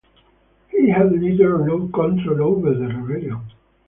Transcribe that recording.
He had little or no control over the rebellion.